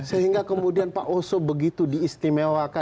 sehingga kemudian pak oso begitu diistimewakan